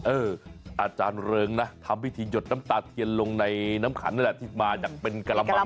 อาจารย์เริงนะทำพิธีหยดน้ำตาเทียนลงในน้ำขันนั่นแหละที่มาจากเป็นกระมัง